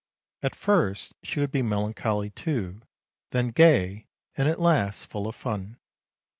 At first she would be melancholy too, then gay, and at last full of fun.